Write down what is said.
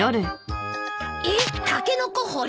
えっタケノコ掘り？